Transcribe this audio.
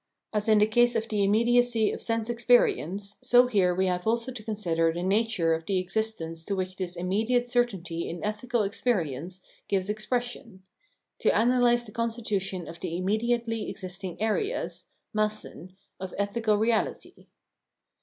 As in the case of the immediacy of sense experience, so here we have also to consider the nature of the existence to which this immediate certainty in ethical experience gives expression — to analyse the constitution of the imme diately existing areas (Massen) of ethical reality.